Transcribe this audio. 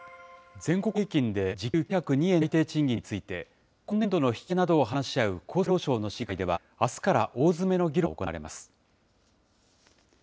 全国平均で時給９０２円の最低賃金について、今年度の引き上げなどを話し合う厚生労働省の審議会ではあすから大詰めの議論が行われます。